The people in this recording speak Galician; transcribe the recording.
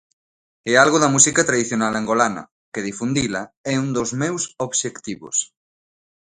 E algo da música tradicional angolana, que difundila é un dos meus obxectivos.